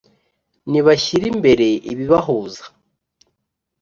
nibashyire imbere ibibahuza